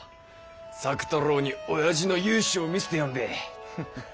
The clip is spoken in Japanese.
作太郎におやじの雄姿を見せてやんべぇ。